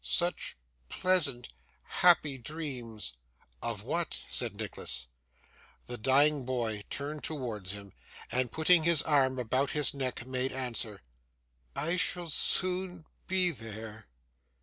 'Such pleasant, happy dreams!' 'Of what?' said Nicholas. The dying boy turned towards him, and, putting his arm about his neck, made answer, 'I shall soon be there!